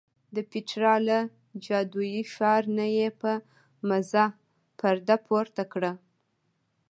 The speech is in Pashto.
د پیترا له جادویي ښار نه یې په مزه پرده پورته کړه.